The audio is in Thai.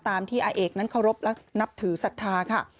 ตามที่อาเอกนั้นเคารพและนับถือศรัทธาค่ะ